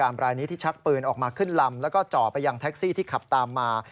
รายนี้ที่ชักปืนออกมาขึ้นลำแล้วก็จ่อไปยังแท็กซี่ที่ขับตามมา